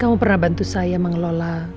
kamu pernah bantu saya mengelola